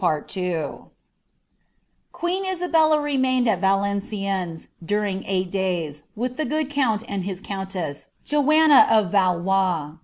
* Queen Isabella remained at Valenciennes during eight days, with the jTicd count and his couniess, Joanna of Valois.